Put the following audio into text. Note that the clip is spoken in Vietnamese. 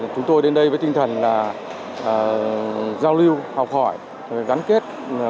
chúng tôi đến đây với tinh thần là giao lưu học hỏi gắn kết